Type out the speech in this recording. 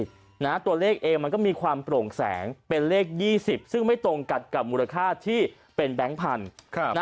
ตัวเลขเองมันก็มีความโปร่งแสงเป็นเลข๒๐ซึ่งไม่ตรงกันกับมูลค่าที่เป็นแบงค์พันธุ์